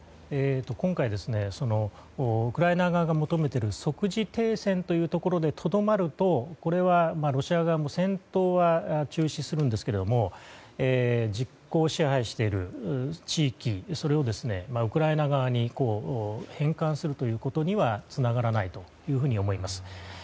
今回ウクライナ側が求めている即時停戦というところでとどまるとこれはロシア側も戦闘は中止するんですけど実効支配している地域をウクライナ側に返還するということにはつながらないと思います。